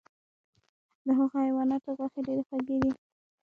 د هغو حیواناتو غوښې ډیرې خوږې دي .